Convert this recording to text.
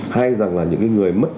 hay rằng là những người mất tiền